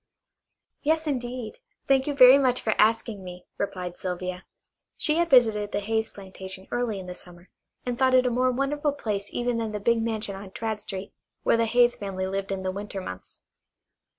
"Yes, indeed; thank you very much for asking me," replied Sylvia. She had visited the Hayes plantation early in the summer, and thought it a more wonderful place even than the big mansion on Tradd Street where the Hayes family lived in the winter months.